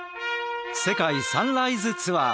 「世界サンライズツアー」